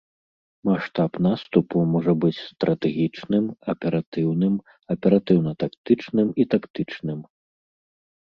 Маштаб наступу можа быць стратэгічным, аператыўным, аператыўна-тактычным і тактычным.